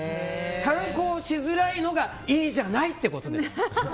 観光しづらいのがいいじゃない！ってことです。